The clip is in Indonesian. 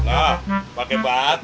nah pakai bat